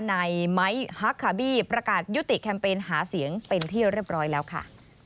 ในไม้ฮักคาร์บี้ประกาศยุติแคมเปญหาเสียงเป็นที่เรียบร้อยแล้วค่ะ